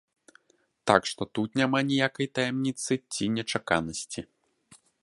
Так што тут няма ніякай таямніцы ці нечаканасці.